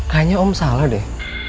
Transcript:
kayaknya om salah deh